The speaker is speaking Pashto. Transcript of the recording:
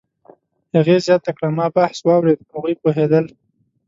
هغې زیاته کړه: "ما بحث واورېد، هغوی پوهېدل